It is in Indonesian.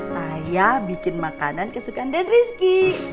saya bikin makanan kesukaan dan rizky